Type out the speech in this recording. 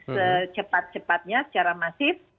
secepat cepatnya secara masif